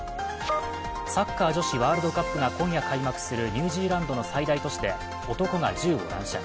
サッカー女子ワールドカップが今夜開幕するニュージーランドの最大都市で男が銃を乱射。